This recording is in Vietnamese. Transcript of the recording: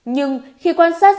nhưng khi quan sát